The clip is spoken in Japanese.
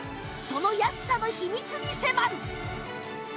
その安さの秘密に迫る